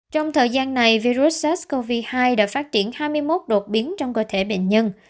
trong thời gian này virus sars cov hai đã phát triển hai mươi một đột biến trong cơ thể bệnh nhân